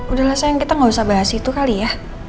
udahlah sayang kita gak usah bahas itu kali ya